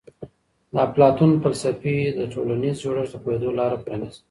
د افلاطون فلسفې د ټولنیز جوړښت د پوهېدلو لاره پرانیزي.